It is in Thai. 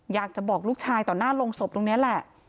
อยากจะบอกลูกชายต่อหน้าโรงศพตรงนี้แหละ